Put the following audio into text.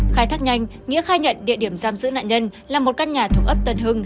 khai thác nhanh nghĩa khai nhận địa điểm giam giữ nạn nhân là một căn nhà thuộc ấp tân hưng